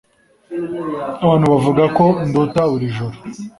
Abantu bavuga ko ndota buri joro